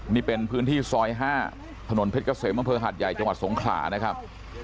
นี่เป็นพื้นที่ซอย๕ถนนเพชรเกษมอำเภอหาดใหญ่จังหวัดสงขลานะครับ